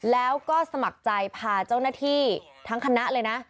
แล้วก็สมัครใจพาเจ้าหน้าที่ทั้งคณะเลยนะ